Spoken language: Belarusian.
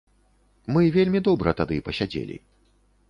Мы вельмі добра тады пасядзелі.